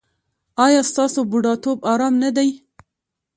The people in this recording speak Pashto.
ایا ستاسو بوډاتوب ارام نه دی؟